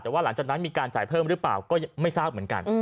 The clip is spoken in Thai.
แต่ว่าหลังจากนั้นมีการจ่ายเพิ่มหรือเปล่าก็ไม่ทราบเหมือนกัน